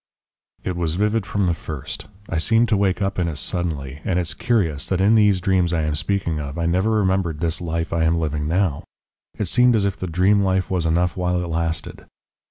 "It was vivid from the first. I seemed to wake up in it suddenly. And it's curious that in these dreams I am speaking of I never remembered this life I am living now. It seemed as if the dream life was enough while it lasted.